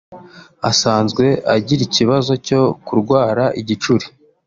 asanzwe agira ikibazo cyo kurwara igicuri